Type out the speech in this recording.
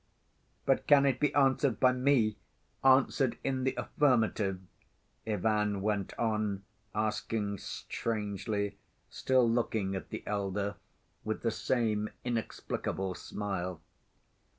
"But can it be answered by me? Answered in the affirmative?" Ivan went on asking strangely, still looking at the elder with the same inexplicable smile.